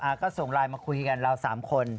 ก็ส่งไลน์มาคุยกันเราสามคน